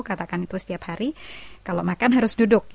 katakan itu setiap hari kalau makan harus duduk